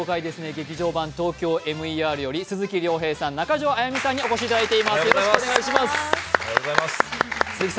「劇場版ＴＯＫＹＯＭＥＲ」より鈴木亮平さん、中条あやみさんにお越しいただいています。